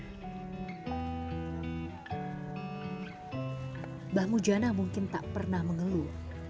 mbah mujana mungkin tak pernah mengeluh